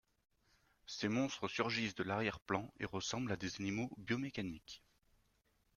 Ces monstres surgissent de l'arrière-plan et ressemblent à des animaux biomécaniques.